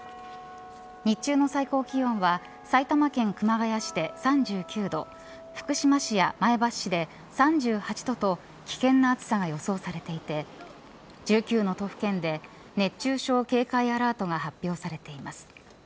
日中の最高気温は埼玉県熊谷市で３９度福島市や前橋市で３８度と危険な暑さが予想されていて１９の都府県で熱中症警戒アラートが発表されています。